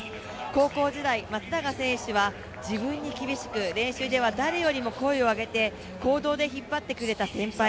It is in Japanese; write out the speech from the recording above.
高校時代、松永選手は自分に厳しく練習では誰よりも声を上げて行動で引っ張ってくれた先輩。